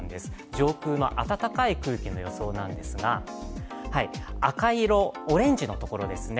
上空の暖かい空気の予想なんですが赤色、オレンジのところですね